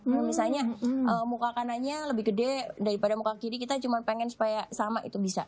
misalnya muka kanannya lebih gede daripada muka kiri kita cuma pengen supaya sama itu bisa